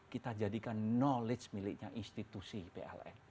kita jadikan knowledge miliknya institusi pln